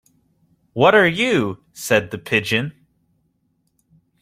What are you?’ said the Pigeon.